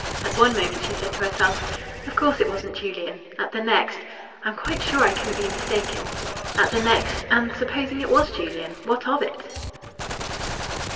At one moment she said to herself, "Of course it wasn't Julian." At the next, "I'm quite sure I couldn't be mistaken." At the next, "And supposing it was Julian what of it?"